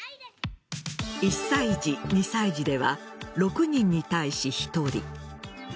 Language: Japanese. １歳児、２歳児では６人に対し１人。